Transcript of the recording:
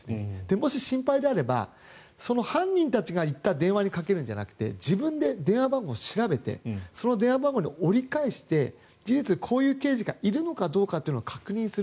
もし心配であればその犯人たちが言った電話にかけるのではなくて自分で電話番号を調べてその電話番号に折り返して事実、こういう刑事がいるのかどうかって確認する。